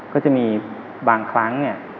ก็จะมีบางครั้ง